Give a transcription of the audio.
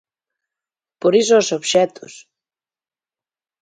Por iso os obxectos.